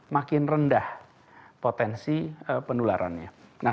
makin rendah potensi pendularannya